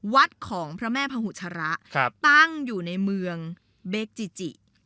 วัดของพระแม่พหุชระตั้งอยู่ในเมืองเบคจิจิ